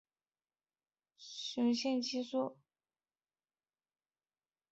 富含女性荷尔蒙诱导素和植物性雌激素。